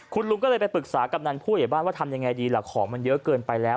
คุณลุงก็เลยไปปรึกษากำนันผู้ใหญ่บ้านว่าทำยังไงดีล่ะของมันเยอะเกินไปแล้ว